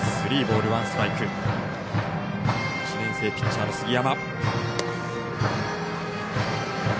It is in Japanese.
１年生ピッチャーの杉山。